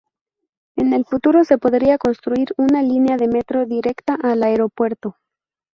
En el futuro se podría construir una línea de metro directa al aeropuerto.